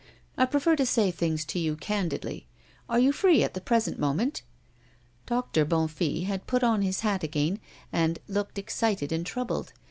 I prefer to say things to you candidly. Are you free at the present moment?" Doctor Bonnefille had put on his hat again, and looked excited and troubled.